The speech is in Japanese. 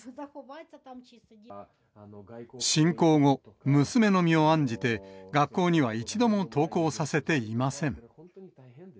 侵攻後、娘の身を案じて、学校には一度も登校させていません。